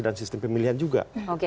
dan sistem pemilihan juga